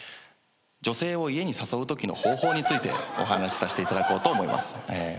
女性を家に誘うときの方法についてお話させていただこうと思います。